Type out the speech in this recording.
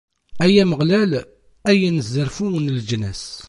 Ay Ameɣlal, ay anezzarfu n leǧnas.